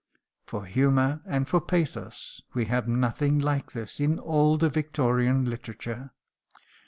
For humour and for pathos we have nothing like this in all the Victorian literature.